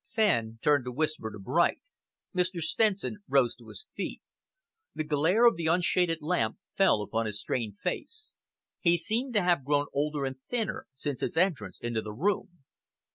Fenn turned to whisper to Bright. Mr. Stenson rose to his feet. The glare of the unshaded lamp fell upon his strained face. He seemed to have grown older and thinner since his entrance into the room.